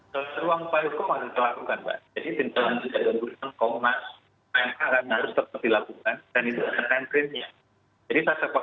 selalu seruang upaya hukum harus dilakukan mbak